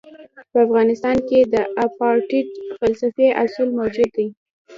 په افغانستان کې د اپارټایډ فلسفي اصول موجود دي.